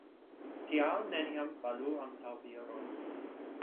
Tial neniam falu antaŭ viro.